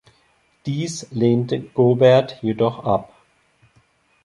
Dies lehnte Gobert jedoch ab.